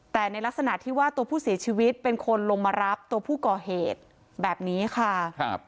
แต่ในลักษณะที่ว่าตัวผู้เสียชีวิตเป็นคนลงมารับตัวผู้ก่อเหตุแบบนี้ค่ะ